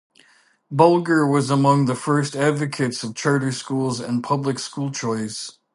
Bulger was among the first advocates of charter schools and public school choice.